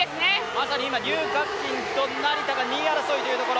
まさに柳雅欣と成田が２位争いというところ。